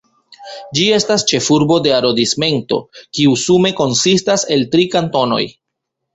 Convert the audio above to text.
Ĝi estas ĉefurbo de arondismento, kiu sume konsistas el tri kantonoj.